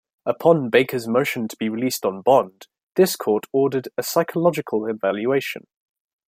Upon Baker's motion to be released on bond, this Court ordered a psychological evaluation.